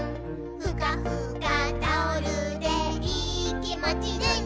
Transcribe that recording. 「ふかふかタオルでいーきもちルンルン」